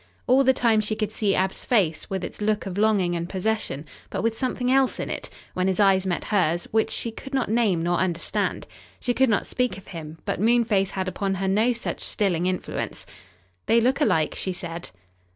All the time she could see Ab's face, with its look of longing and possession, but with something else in it, when his eyes met hers, which she could not name nor understand. She could not speak of him, but Moonface had upon her no such stilling influence. "They look alike," she said.